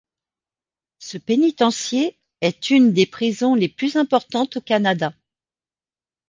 Ce pénitencier est une des prisons les plus importantes au Canada.